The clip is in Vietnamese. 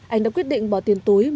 anh đã quyết định bỏ tiền túi